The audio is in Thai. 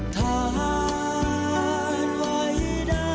มอเตอร์ส่งพลาดอ่าย